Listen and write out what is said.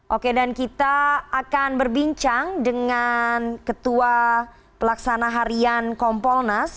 oke dan kita akan berbincang dengan ketua pelaksana harian kompolnas